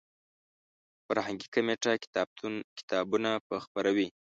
فرهنګي کمیټه کتابونه به خپروي.